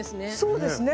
そうですね。